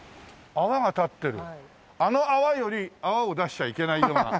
あの泡より泡を出しちゃいけないような。